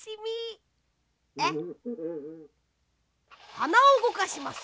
はなをうごかします。